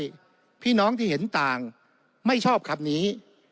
พี่น้องที่เห็นต่างไม่ชอบคำนี้